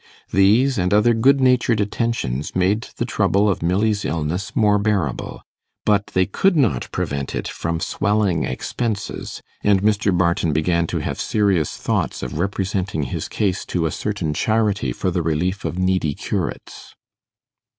These and other good natured attentions made the trouble of Milly's illness more bearable; but they could not prevent it from swelling expenses, and Mr. Barton began to have serious thoughts of representing his case to a certain charity for the relief of needy curates.